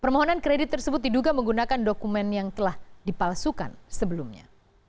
permohonan kredit tersebut diduga menggunakan dokumen yang telah dipalsukan sebelumnya